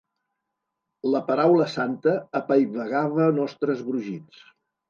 La paraula santa apaivagava nostres brogits.